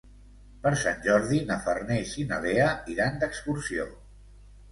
Per Sant Jordi na Farners i na Lea iran d'excursió.